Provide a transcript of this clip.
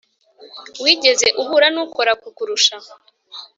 wigeze uhura nukora kukurusha?